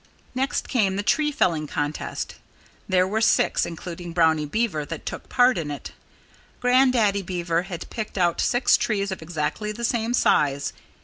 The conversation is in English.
Next came the tree felling contest. There were six, including Brownie Beaver, that took part in it. Grandaddy Beaver had picked out six trees of exactly the same size.